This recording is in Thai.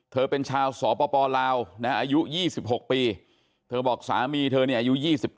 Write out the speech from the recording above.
เธอเป็นชาวสปลาวอายุ๒๖ปีเธอบอกสามีเธอเนี่ยอายุ๒๙